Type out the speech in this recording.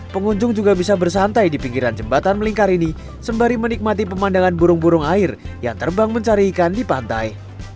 pengunjung juga bisa bersantai di pinggiran jembatan melingkar ini sembari menikmati pemandangan burung burung air yang terbang mencari ikan di pantai